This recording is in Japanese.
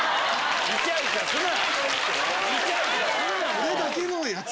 俺だけのやつ。